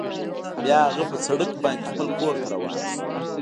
بیا هغه په سړک باندې خپل کور ته روان شو